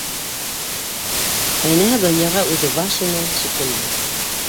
Ҡәйнәһе донъяға үҙе баш ине, шикелде.